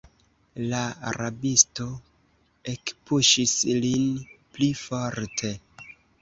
La rabisto ekpuŝis lin pli forte.